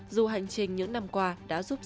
dù hành trình những năm qua đã giúp đỡ